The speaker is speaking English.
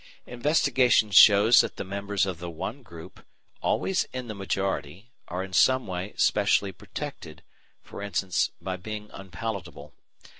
Investigation shows that the members of the one group, always in the majority, are in some way specially protected, e.g. by being unpalatable.